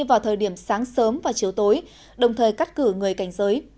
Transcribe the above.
vào thời điểm sáng sớm và chiều tối đồng thời cắt cử người cảnh giới